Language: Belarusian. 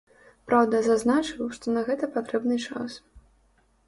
Праўда, зазначыў, што на гэта патрэбны час.